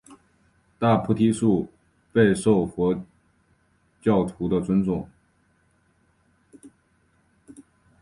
大菩提树备受佛教徒的尊崇。